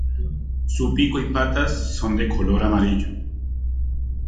Su pico y patas son de color amarillo.